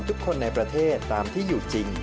ทุกคนในประเทศตามที่อยู่จริง